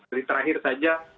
jadi terakhir saja